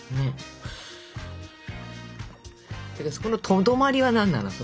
そのとどまりは何なの？